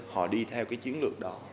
họ đi theo cái chiến lược đó